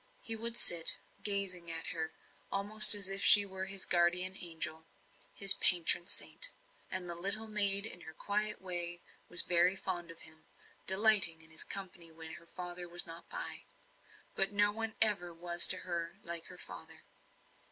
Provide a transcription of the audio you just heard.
He would sit, gazing on her almost as if she were his guardian angel his patron saint. And the little maid in her quiet way was very fond of him; delighting in his company when her father was not by. But no one ever was to her like her father.